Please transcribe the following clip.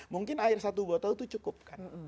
mungkin air satu botol itu cukup kan